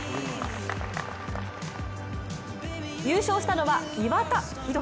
優勝したのは岩田寛。